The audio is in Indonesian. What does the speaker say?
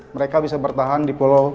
mereka bisa bertahan di pulau